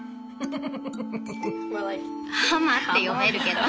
「ハマ」って読めるけど。